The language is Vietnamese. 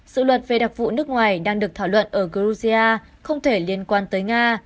sự luật về đặc vụ nước ngoài đang được thảo luận ở georgia không thể liên quan tới nga